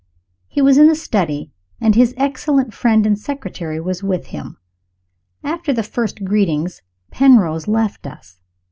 He was in the study, and his excellent friend and secretary was with him. After the first greetings Penrose left us.